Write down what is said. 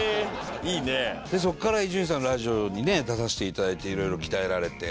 そこから伊集院さんのラジオにね出させていただいていろいろ鍛えられて。